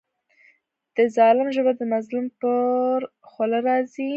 د ظالم ژبه د مظلوم پر خوله راځي.